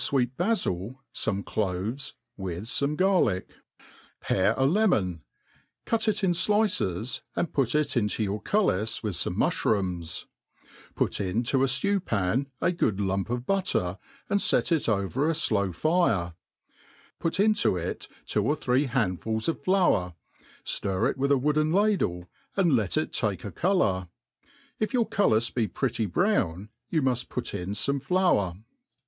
fweec bafi}, fome cloves, with fome garlic; pare a lemon, cut it in ilices, and put it into your cullis, with fome muflirooms, > Put into a flew pan a good I^imp of butter, and fet' it over a flow fire ; put into it two or three handfuls of flour,, ftir it with a wooden ladle, and let it take a colour ; if your cullis be pretty brown, you muft put in fome flour.